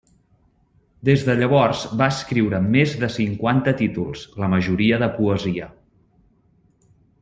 Des de llavors va escriure més de cinquanta títols, la majoria de poesia.